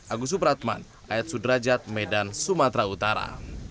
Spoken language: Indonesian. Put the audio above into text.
agus supratman ayat sudrajat medan sumatera utara